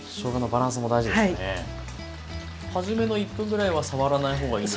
はじめの１分ぐらいは触らない方がいいんですね。